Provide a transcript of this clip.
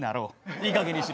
いいかげんにしろ。